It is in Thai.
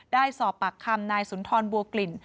ได้สอบปากคำนายสุนทรบัวกลิ่น